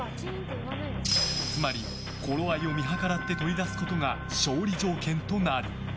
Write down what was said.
つまり頃合いを見計らって取り出すことが勝利条件となる。